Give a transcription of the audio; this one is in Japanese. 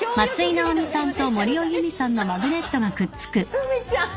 由美ちゃん